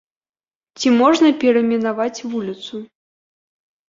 Ці можна перайменаваць вуліцу?